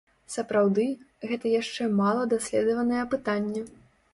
Сапраўды, гэта яшчэ мала даследаванае пытанне.